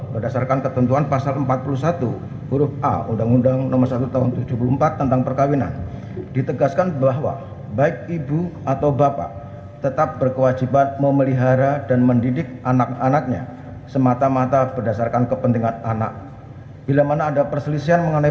pertama penggugat akan menerjakan waktu yang cukup untuk menerjakan si anak anak tersebut yang telah menjadi ilustrasi